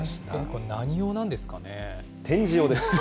これ、何用なんですかね。